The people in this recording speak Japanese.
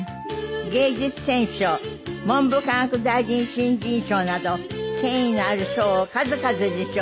芸術選奨文部科学大臣新人賞など権威のある賞を数々受賞。